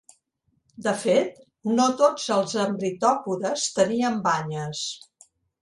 De fet, no tots els embritòpodes tenien banyes.